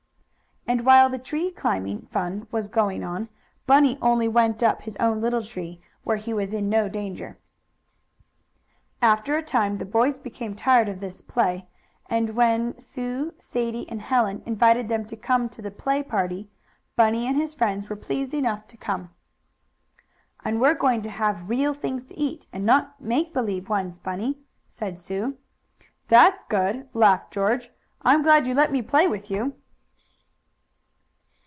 And while the tree climbing fun was going on Bunny only went up his own little tree, where he was in no danger. After a time the boys became tired of this play, and when Sue, Sadie and Helen invited them to come to the "play party," Bunny and his friends were pleased enough to come. "And we're going to have real things to eat, and not make believe ones, Bunny," said Sue. "That's good!" laughed George. "I'm glad you let me play with you."